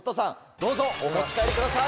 どうぞお持ち帰りください。